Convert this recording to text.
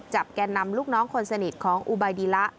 แก่นำลูกน้องคนสนิทของอุบายดีละ